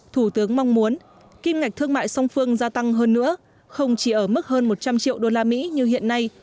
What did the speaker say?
thủ tướng mong muốn kim ngạch thương mại song phương gia tăng hơn nữa không chỉ ở mức hơn một trăm linh triệu usd như hiện nay